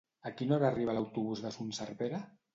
A quina hora arriba l'autobús de Son Servera?